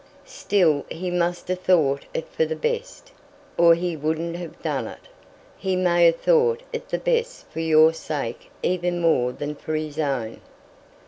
"Still he must have thought it for the best, or he wouldn't have done it. He may have thought it the best for your sake even more than for his own."